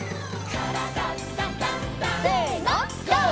「からだダンダンダン」せのＧＯ！